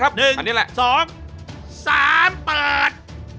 ๑๒๓เปิด